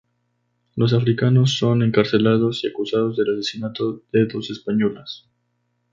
Los africanos son encarcelados y acusados del asesinato de dos españoles.